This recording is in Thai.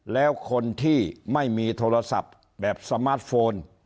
แล้วคนที่ไม่มีโทรศัพท์แบบสมาร์ทโฟน